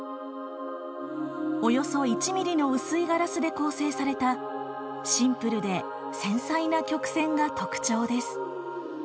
およそ１ｍｍの薄いガラスで構成されたシンプルで繊細な曲線が特徴です。